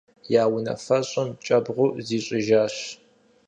Я унафэщӏым кӀэбгъу зищӀыжащ.